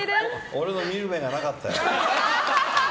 俺の見る目がなかったよ。